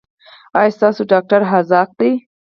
ایا ستاسو ډاکټر حاذق دی؟